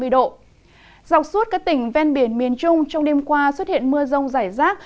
dọc suốt các tỉnh ven biển miền trung trong đêm qua xuất hiện mưa rông rải rác